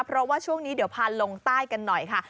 เพราะว่าช่วงนี้เดี๋ยวพาลงใต้กันหน่อยค่ะ